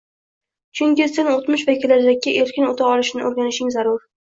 — chunki sen o‘tmish va kelajakka erkin o‘ta olishni o‘rganishing zarur.